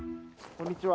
こんにちは。